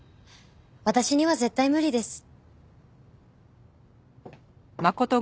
私には絶対無理です。